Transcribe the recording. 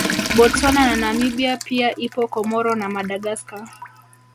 Botswana na Namibia pia ipo Comoro na Madagascar